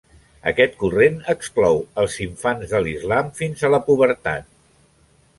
Aquest corrent exclou els infants de l'islam fins a la pubertat.